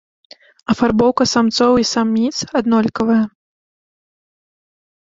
Афарбоўка самцоў і саміц аднолькавая.